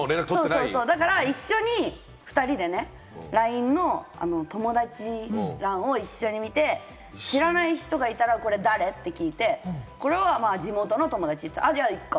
一緒に２人でね、ＬＩＮＥの友達欄を一緒に見て、知らない人がいたらこれ誰？って聞いて、これは地元の友達、じゃあいいか。